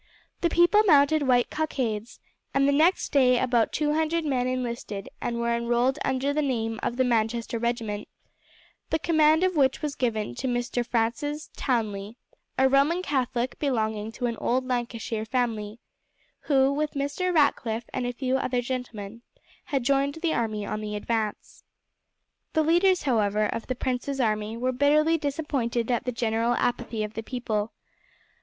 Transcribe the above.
The people mounted white cockades, and the next day about two hundred men enlisted and were enrolled under the name of the Manchester Regiment, the command of which was given to Mr. Francis Townley, a Roman Catholic belonging to an old Lancashire family, who, with Mr. Ratcliff and a few other gentlemen, had joined the army on the advance. The leaders, however, of the prince's army were bitterly disappointed at the general apathy of the people.